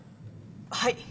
はい。